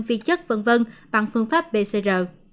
viên chức v v bằng phương pháp pcr